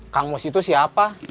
kang mus itu siapa